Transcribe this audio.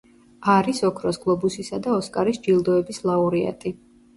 არის ოქროს გლობუსისა და ოსკარის ჯილდოების ლაურეატი.